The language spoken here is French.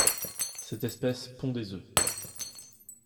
Cette espèce pond des œufs.